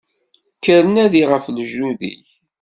Kker nadi ɣef lejdud-ik.